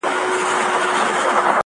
ما له کيسې ژور اغېز واخيست-